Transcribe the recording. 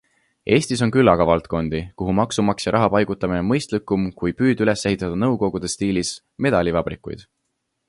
Eestis on küllaga valdkondi, kuhu maksumaksja raha paigutamine on mõistlikum kui püüd üles ehitada nõukogude stiilis medalivabrikuid.